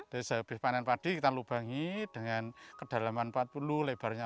dari sehabis panen padi kita lubangi dengan kedalaman empat puluh lebarnya